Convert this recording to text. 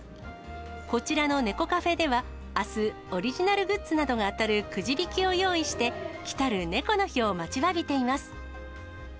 こちらの猫カフェでは、あす、オリジナルグッズなどが当たるくじ引きを用意して、来る猫の日を待ちわびています。